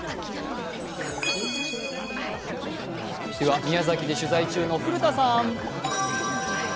宮崎で取材中の古田さん。